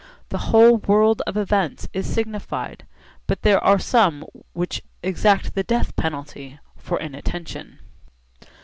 The whole world of events is signified, but there are some which exact the death penalty for inattention.